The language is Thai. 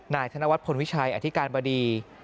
นายธนวรรษพลวิชัยอธิการบดี